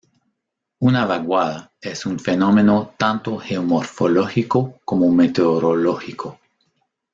Una vaguada es un fenómeno tanto geomorfológico como meteorológico.